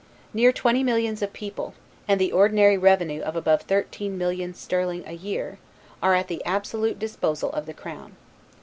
Near twenty millions of people, and the ordinary revenue of above thirteen millions sterling a year, are at the absolute disposal of the Crown.